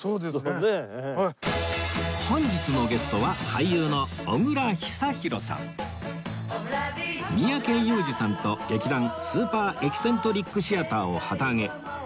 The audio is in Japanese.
本日のゲストは三宅裕司さんと劇団スーパー・エキセントリック・シアターを旗揚げ